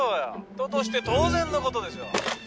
人として当然のことでしょう。